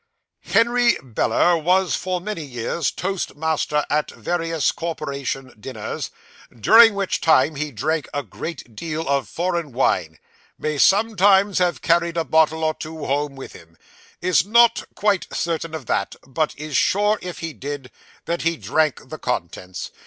'Henry Beller was for many years toast master at various corporation dinners, during which time he drank a great deal of foreign wine; may sometimes have carried a bottle or two home with him; is not quite certain of that, but is sure if he did, that he drank the contents.